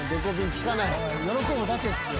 喜ぶだけっすよ。